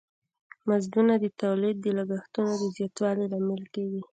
مزدونه د تولید د لګښتونو د زیاتوالی لامل کیږی.